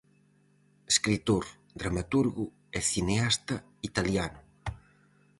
Escritor, dramaturgo e cineasta italiano.